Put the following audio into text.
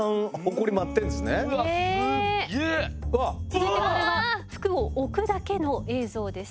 続いてこれが服を置くだけの映像です。